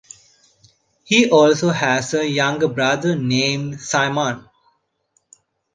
He also has a younger brother named Simon.